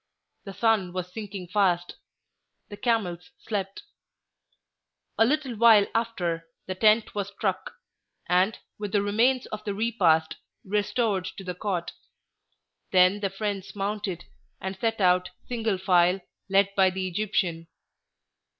The sun was sinking fast. The camels slept. A little while after, the tent was struck, and, with the remains of the repast, restored to the cot; then the friends mounted, and set out single file, led by the Egyptian.